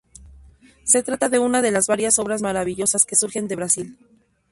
Se trata de una de las varias obras maravillosas que surgen de Brasil.